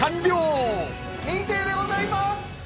認定でございます！